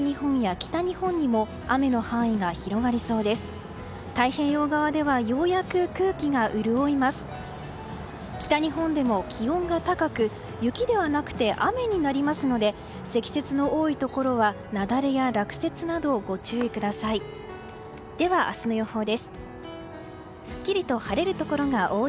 北日本でも気温が高く雪ではなく雨になりますので積雪の多いところは雪崩や落雪などご注意ください。